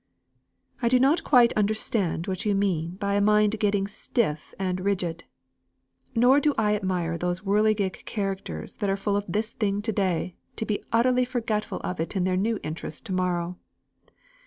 "I do not quite understand what you mean by a mind getting stiff and rigid. Nor do I admire those whirligig characters that are full of this thing to day, to be utterly forgetful of it in their new interest to morrow.